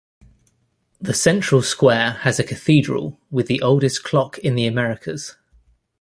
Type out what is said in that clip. The central square has a cathedral with the oldest clock in the Americas.